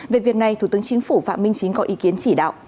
về việc này thủ tướng chính phủ phạm minh chính có ý kiến chỉ đạo